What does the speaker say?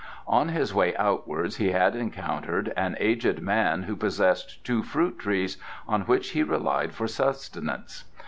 On his way outwards he had encountered an aged man who possessed two fruit trees, on which he relied for sustenance.